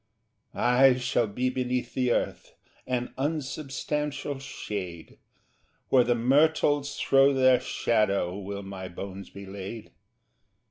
I shall be beneath the earth, an unsubstantial shade; Where the myrtles throw their shadow will my bones be laid.